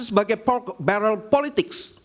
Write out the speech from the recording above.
sebagai barrel politics